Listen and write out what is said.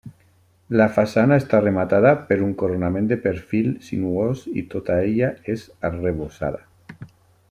La façana està rematada per un coronament de perfil sinuós i tota ella és arrebossada.